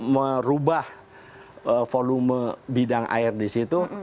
merubah volume bidang air di situ